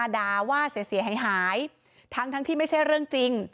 ด่าว่าเสียหายทั้งที่ไม่ใช่เรื่องจริง